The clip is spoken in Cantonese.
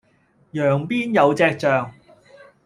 羊邊有隻象